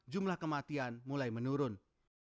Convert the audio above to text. jumlah kematian mulai menurun